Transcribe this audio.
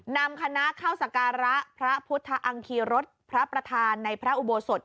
นำคณะเข้าสการะพระพุทธอังคีรสพระประธานในพระอุโบสถ